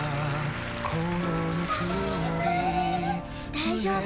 大丈夫。